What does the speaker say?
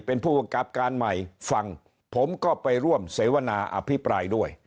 เป็นผู้บังคับการใหม่ฟังผมก็ไปร่วมเสวนาอภิปรายด้วย